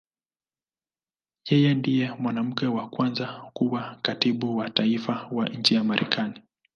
Yeye ndiye mwanamke wa kwanza kuwa Katibu wa Taifa wa nchi ya Marekani.